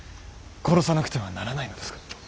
殺さなくてはならないのですか。